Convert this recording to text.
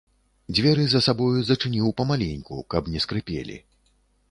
Дзверы за сабою зачыніў памаленьку, каб не скрыпелі.